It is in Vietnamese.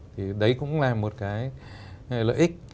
thì đấy cũng là một cái lợi ích